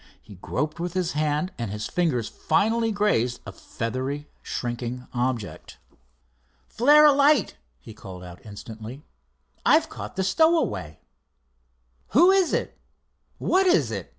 He groped with his hand, and his fingers finally grazed a feathery, shrinking object. "Flare a light," he called out instantly. "I've caught the stowaway." "Who is it? what is it?"